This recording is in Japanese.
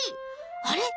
あれ？